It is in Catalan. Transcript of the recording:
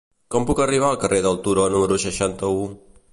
Com puc arribar al carrer del Turó número seixanta-u?